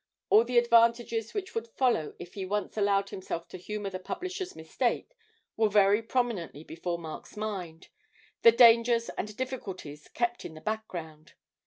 All the advantages which would follow if he once allowed himself to humour the publisher's mistake were very prominently before Mark's mind the dangers and difficulties kept in the background.